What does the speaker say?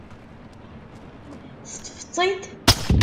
Teṭṭfeḍ-tt-id?